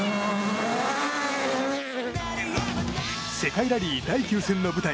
世界ラリー第９戦の舞台